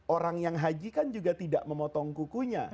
orang yang haji kan juga tidak memotong kukunya